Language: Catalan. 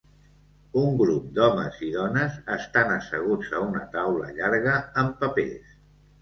Un grup d'homes i dones estan asseguts a una taula llarga amb papers